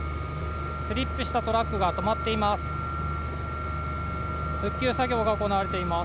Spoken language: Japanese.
スリップしたトラックが止まっています。